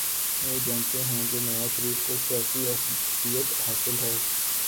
وہ جانتے ہیں کہ نواز شریف کو سیاسی عصبیت حاصل ہے۔